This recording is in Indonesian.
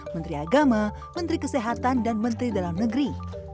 menteri agama menteri kesehatan dan menteri dalam negeri